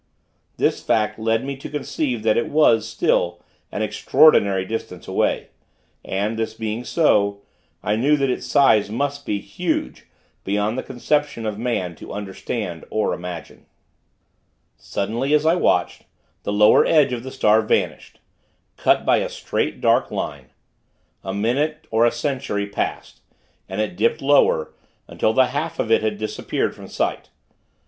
This fact led me to conceive that it was, still, an extraordinary distance away; and, this being so, I knew that its size must be huge, beyond the conception of man to understand or imagine. Suddenly, as I watched, the lower edge of the star vanished cut by a straight, dark line. A minute or a century passed, and it dipped lower, until the half of it had disappeared from sight.